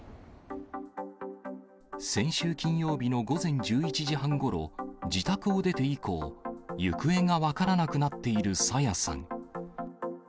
先週金曜日の午前１１時半ごろ、自宅を出て以降、行方が分からなくなっている朝芽さん。